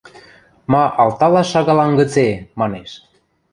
– Ма, алталаш шагалам гыце! – манеш.